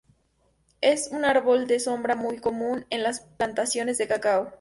Es un árbol de sombra muy común en las plantaciones de cacao.